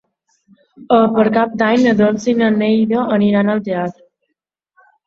Per Cap d'Any na Dolça i na Neida aniran al teatre.